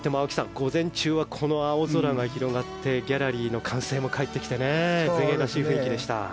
午前中は青空が広がってギャラリーの歓声も帰ってきて全英らしい雰囲気でした。